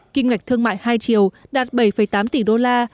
kinh ngạch thương mại hai triều đạt bảy tám tỷ đô la